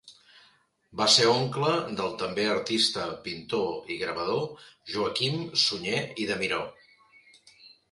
Va ser oncle del també artista pintor, i gravador, Joaquim Sunyer i de Miró.